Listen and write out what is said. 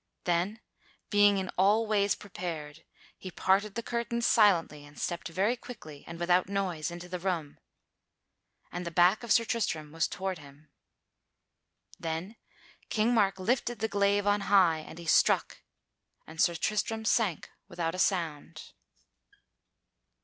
Then being in all ways prepared he parted the curtains silently and stepped very quickly and without noise into the room. And the back of Sir Tristram was toward him. Then King Mark lifted the glaive on high and he struck; and Sir Tristram sank without a sound.